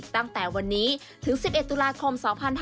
ตั้งแต่วันนี้ถึง๑๑ตุลาคม๒๕๕๙